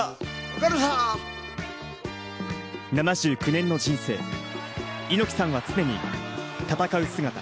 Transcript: ７９年の人生には猪木さんは常に戦う姿。